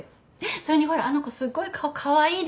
それにほらあの子すっごい顔かわいいでしょ？